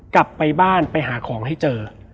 กลับไปบ้านไปหาของให้เจอ